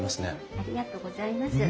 ありがとうございます。